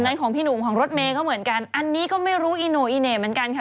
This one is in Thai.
ของพี่หนุ่มของรถเมย์ก็เหมือนกันอันนี้ก็ไม่รู้อีโน่อีเหน่เหมือนกันค่ะ